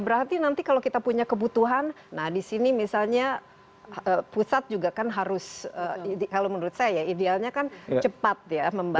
berarti nanti kalau kita punya kebutuhan nah disini misalnya pusat juga kan harus kalau menurut saya ya idealnya kan cepat ya